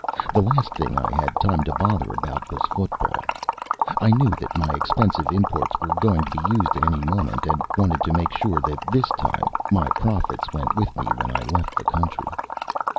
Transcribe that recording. The last thing I had time to bother about was football; I knew that my expen sive imports were going to be used at any moment, and wanted to make sure that this time my profits went with me when I left the country.